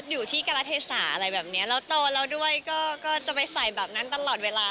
อยู่ที่กรเทศาอะไรแบบนี้เราโตแล้วด้วยก็จะไปใส่แบบนั้นตลอดเวลา